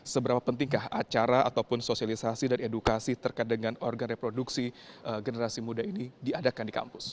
seberapa pentingkah acara ataupun sosialisasi dan edukasi terkait dengan organ reproduksi generasi muda ini diadakan di kampus